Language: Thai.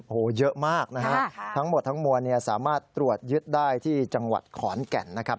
โอ้โหเยอะมากนะฮะทั้งหมดทั้งมวลสามารถตรวจยึดได้ที่จังหวัดขอนแก่นนะครับ